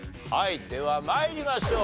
では参りましょう。